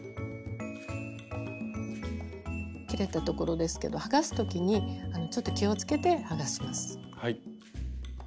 切れたところですけど剥がす時にちょっと気をつけて剥がします。